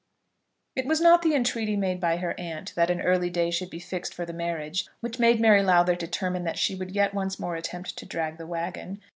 It was not the entreaty made by her aunt that an early day should be fixed for the marriage which made Mary Lowther determine that she would yet once more attempt to drag the wagon.